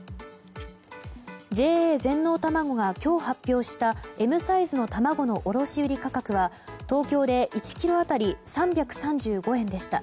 ＪＡ全農たまごが今日発表したＭサイズの卵の卸売価格は東京で１ｋｇ当たり３３５円でした。